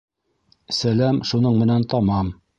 Сәләм шуның менән тамам.